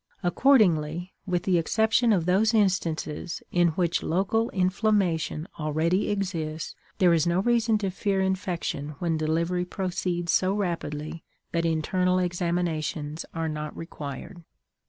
Accordingly, with the exception of those instances in which local inflammation already exists, there is no reason to fear infection when delivery proceeds so rapidly that internal examinations are not required.